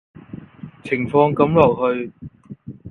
情況噉落去